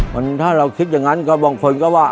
มันถ้าเราคิดอย่างนั้นก็บางคนก็ว่า